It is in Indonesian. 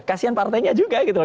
kasian partainya juga gitu loh